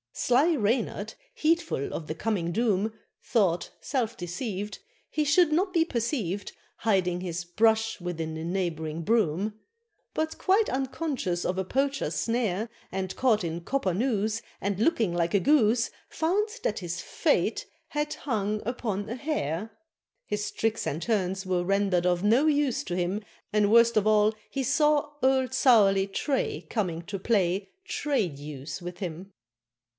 Sly Reynard, heedful of the coming doom, Thought, self deceived, He should not be perceived, Hiding his brush within a neighboring broom! But quite unconscious of a Poacher's snare, And caught in copper noose, And looking like a goose, Found that his fate had "hung upon a hare"; His tricks and turns were rendered of no use to him, And worst of all he saw old surly Tray Coming to play Tray Deuce with him.